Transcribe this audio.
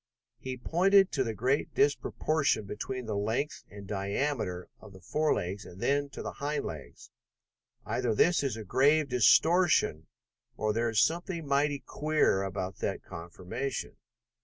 He pointed to the great disproportion between the length and diameter of the forelegs, and then to the hind legs. "Either this is grave distortion or there is something mighty queer about that conformation.